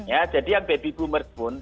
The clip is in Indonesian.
ya jadi yang baby boomers pun